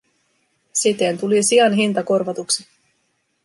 Siten tuli sian hinta korvatuksi.